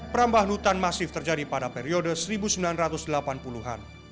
perambahan hutan masif terjadi pada periode seribu sembilan ratus delapan puluh an